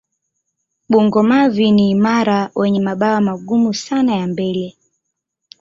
Bungo-mavi ni imara wenye mabawa magumu sana ya mbele.